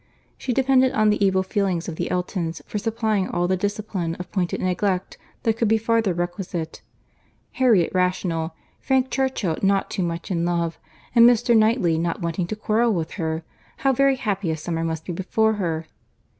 She depended on the evil feelings of the Eltons for supplying all the discipline of pointed neglect that could be farther requisite.—Harriet rational, Frank Churchill not too much in love, and Mr. Knightley not wanting to quarrel with her, how very happy a summer must be before her!